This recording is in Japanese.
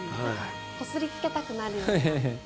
こすりつけたくなるような。